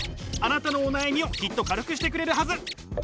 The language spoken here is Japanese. あなたのお悩みをきっと軽くしてくれるはず。